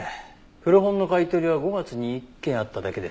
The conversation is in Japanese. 古本の買い取りは５月に１件あっただけです。